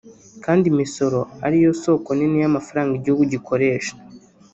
kandi imisoro ari yo soko nini y’amafaranga igihugu gikoresha